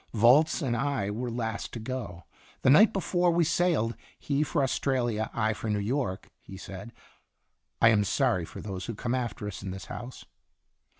Volz and I were last to go. The night before we sailed, he for Australia, I for New York, he said: " I am sorry for those who come after us in this house."